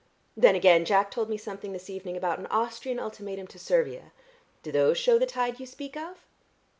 Then, again, Jack told me something this evening about an Austrian ultimatum to Servia. Do those shew the tide you speak of?"